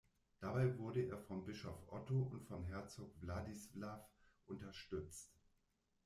Dabei wurde er von Bischof Otto und von Herzog Vladislav unterstützt.